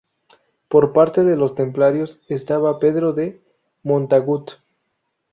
Por parte de los templarios estaba Pedro de Montagut.